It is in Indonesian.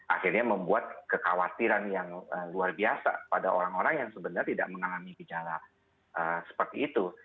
akhirnya membuat kekhawatiran yang luar biasa pada orang orang yang sebenarnya tidak mengalami gejala seperti itu